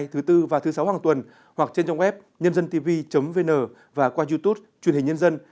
thứ bốn và thứ sáu hàng tuần hoặc trên trang web nhândântv vn và qua youtube truyền hình nhân dân